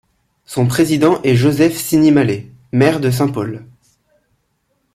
Son président est Joseph Sinimalé, maire de Saint-Paul.